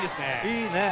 いいね。